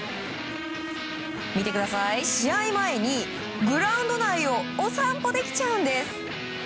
見てください、試合前にグラウンド内をお散歩できちゃうんです。